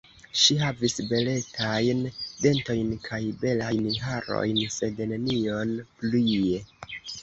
Ŝi havis beletajn dentojn kaj belajn harojn, sed nenion plie.